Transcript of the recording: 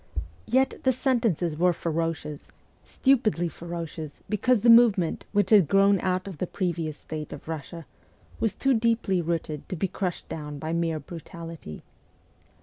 Yet the sentences were ferocious stupidly ferocious, because the movement, which had grown out of the previous state of Eussia, was too deeply rooted to be crushed down by mere brutality.